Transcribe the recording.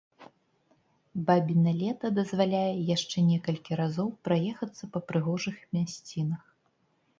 Бабіна лета дазваляе яшчэ некалькі разоў праехацца па прыгожых мясцінах.